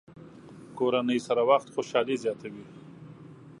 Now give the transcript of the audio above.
کورنۍ سره وخت خوشحالي زیاتوي.